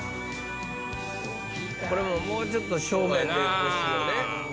これももうちょっと正面で欲しいよね。